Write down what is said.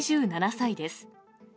２７歳です。